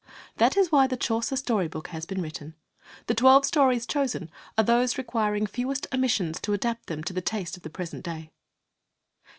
That is why the Chaucer Story Book has been written. The twelve stories chosen are those requiring fewest omissions to adapt them to the taste of the present day.